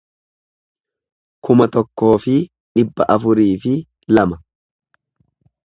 kuma tokkoo fi dhibba afurii fi lama